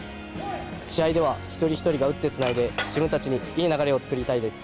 試合では、一人一人が打ってつないで自分たちにいい流れを作りたいです。